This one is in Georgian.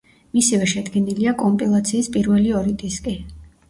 მისივე შედგენილია კომპილაციის პირველი ორი დისკი.